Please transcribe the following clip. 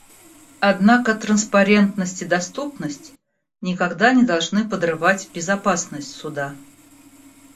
Однако транспарентность и доступность никогда не должны подрывать безопасность Суда.